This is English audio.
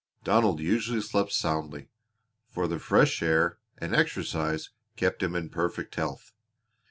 Donald usually slept soundly, for the fresh air and exercise kept him in perfect health.